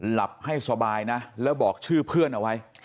หลับให้สบายนะแล้วบอกชื่อเพื่อนเอาไว้